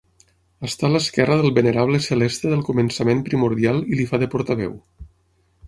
Està a l'esquerra del Venerable celeste del començament primordial i li fa de portaveu.